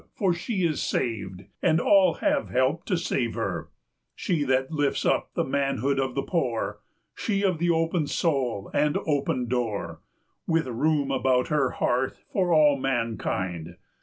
for she is saved, and all have helped to save her! 390 She that lifts up the manhood of the poor, She of the open soul and open door, With room about her hearth for all mankind!